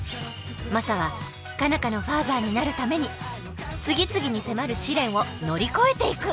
マサは佳奈花のファーザーになるために次々に迫る試練を乗り越えていく。